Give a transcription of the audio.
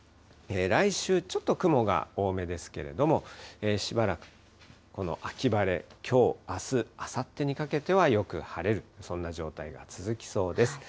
来週、ちょっと雲が多めですけれども、しばらくこの秋晴れ、きょう、あす、あさってにかけてはよく晴れる、そんな状態が続きそうです。